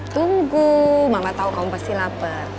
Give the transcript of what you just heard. tunggu mama tau kamu pasti lapar